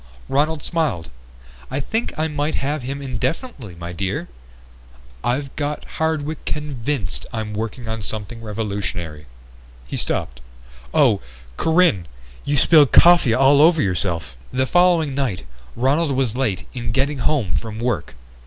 Ronald smiled. "I think I might have him indefinitely, dear. I've got Hardwick convinced I'm working on something revolutionary." He stopped. "Oh, Corinne! You've spilled coffee all over yourself." The following night Ronald was late in getting home from work.